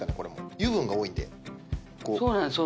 油分が多いんでこうそうなんです